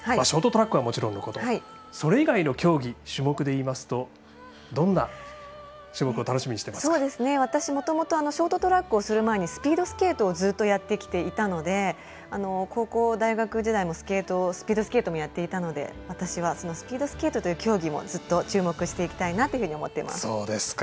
ショートトラックはもちろんのことそれ以外の競技種目で言いますとどんな種目を私、もともとショートトラックをする前にスピードスケートをずっとやってきていたので高校、大学時代もスピードスケートもやっていたので、私はスピードスケートという競技もずっと注目していきたいなと思っています。